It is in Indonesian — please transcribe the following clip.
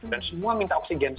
dan semua minta oksigen